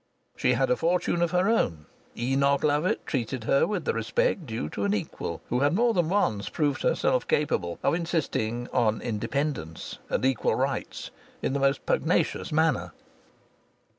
She had a fortune of her own. Enoch Lovatt treated her with the respect due to an equal who had more than once proved herself capable of insisting on independence and equal rights in the most pugnacious manner.